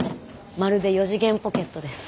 まるで四次元ポケットです。